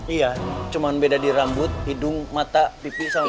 iya cuma beda di rambut hidung mata pipi sama